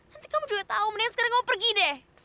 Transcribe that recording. nanti kamu juga tau mendingan sekarang kamu pergi deh